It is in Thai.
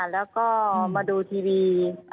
แล้วก็มาดูทีวี